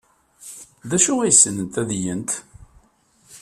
D acu ay ssnent ad gent?